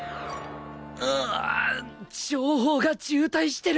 ううっ情報が渋滞してる！